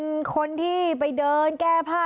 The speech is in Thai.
เป็นคนที่ไปเดินแก้ผ้า